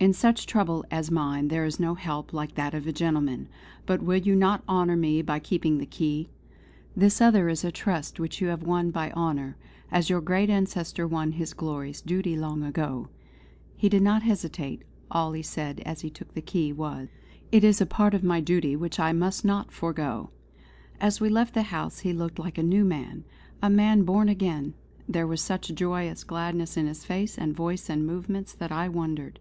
"In such trouble as mine, there is no help like that of a gentleman. But will you not honour me by keeping the key? This other is a trust which you have won by honour; as your great ancestor won his glorious duty long ago." He did not hesitate; all he said as he took the key was: "It is a part of my duty which I must not forego." As we left the house he looked like a new man a man born again; there was such joyous gladness in his face and voice and movements that I wondered.